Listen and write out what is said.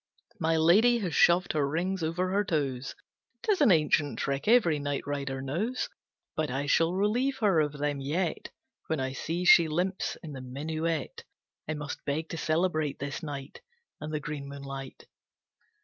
My lady has shoved her rings over her toes. 'Tis an ancient trick every night rider knows. But I shall relieve her of them yet, When I see she limps in the minuet I must beg to celebrate this night, And the green moonlight.